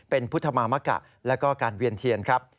เป็นพุทธมามกะแล้วก็การเวียนเทียนครับ